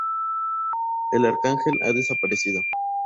El arcángel ha desaparecido.